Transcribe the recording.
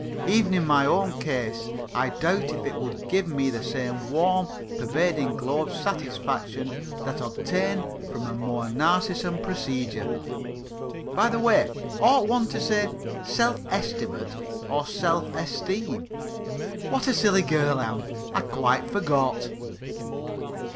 Even in my own case I doubt if it would give me the same warm, pervading glow of satisfaction that obtain from a more Narcissan procedure. By the way, ought one to say "self estimate" or "self esteem"? What a silly girl I am! I quite forgot.